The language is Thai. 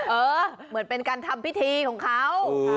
เหมือนเป็นการทำพิธีของเขา